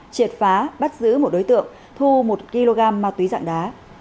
triệt phá bắt giữ một đối tượng thu một kg ma túy dạng đá